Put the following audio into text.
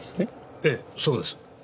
ええそうです。